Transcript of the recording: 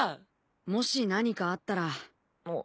もし何かあったら。